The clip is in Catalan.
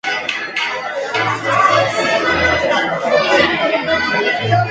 Dimecres, sant Cabdell apòstol.